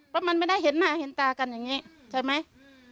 เพราะมันไม่ได้เห็นหน้าเห็นตากันอย่างนี้ใช่ไหม